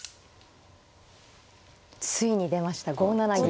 ついに出ました５七銀。